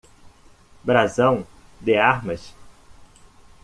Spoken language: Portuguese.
Brasão? de armas.